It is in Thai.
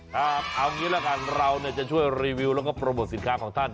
ครับเอางี้ละกันเราจะช่วยรีวิวแล้วก็โปรโมทสินค้าของท่าน